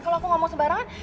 kalau aku ngomong sembarangan